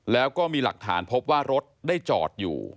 แล้วก็มีหลักฐานพบว่ารถได้จอดอยู่